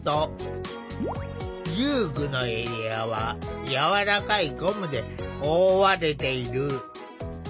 遊具のエリアはやわらかいゴムで覆われている。